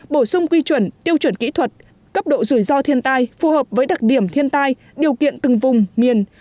bổ sung quy chuẩn tiêu chuẩn kỹ thuật cấp độ rủi ro thiên tai phù hợp với đặc điểm thiên tai điều kiện từng vùng miền